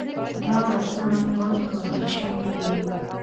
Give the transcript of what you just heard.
دغه بستونه ټول پلورل شوي دي.